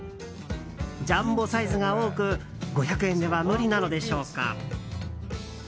ジャンボサイズが多く５００円では無理なのでしょうか。